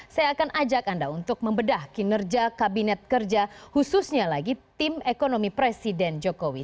saya akan ajak anda untuk membedah kinerja kabinet kerja khususnya lagi tim ekonomi presiden jokowi